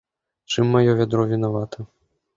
Чым маё вядро вінавата?